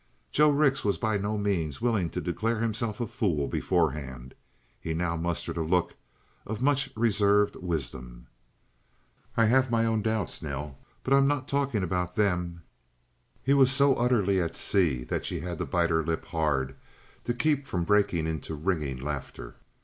Joe Rix was by no means willing to declare himself a fool beforehand. He now mustered a look of much reserved wisdom. "I have my own doubts, Nell, but I'm not talking about them." He was so utterly at sea that she had to bite her lip hard to keep from breaking into ringing laughter.